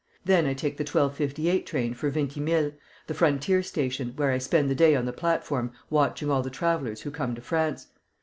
Then I take the 12.58 train for Vintimille, the frontier station, where I spend the day on the platform watching all the travellers who come to France.